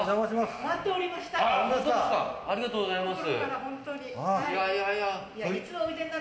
ありがとうございます。